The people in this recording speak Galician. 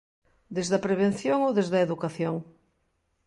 Desde a prevención ou desde a educación?